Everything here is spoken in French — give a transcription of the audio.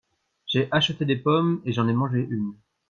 J’ai acheté des pommes et j’en ai mangé une.